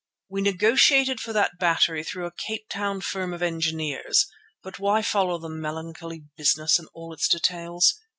We negotiated for that battery through a Cape Town firm of engineers—but why follow the melancholy business in all its details?